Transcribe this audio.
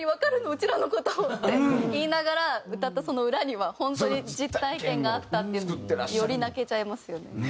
うちらの事」って言いながら歌ったその裏には本当に実体験があったってより泣けちゃいますよね。